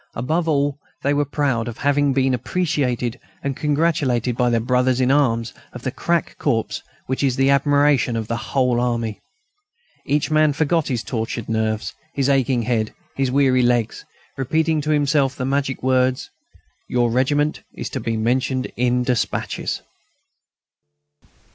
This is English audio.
Above all, they were proud of having been appreciated and congratulated by their brothers in arms of the crack corps which is the admiration of the whole army. Each man forgot his tortured nerves, his aching head, his weary legs, repeating to himself the magic words: "Your regiment is to be mentioned in despatches!"